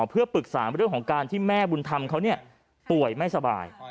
เพื่อปรึกษาเรื่องของการที่แม่บุญธรรมเขาป่วยไม่สบาย